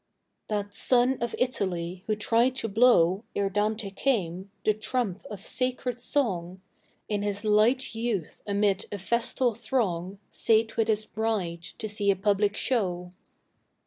_ That son of Italy who tried to blow, Ere Dante came, the trump of sacred song, In his light youth amid a festal throng Sate with his bride to see a public show.